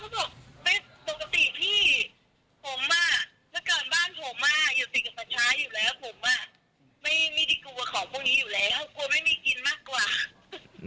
ผมไม่ที่กลัวของพวกนี้อยู่แล้วกลัวไม่มีกินมากกว่า